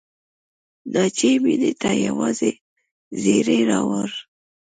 ناجیې مینې ته یو زېری راوړ